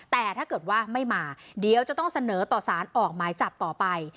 แต่ถ้าเกิดว่าไม่มาเดี๋ยวจะต้องเสนอต่อสารออกหมายจับต่อไป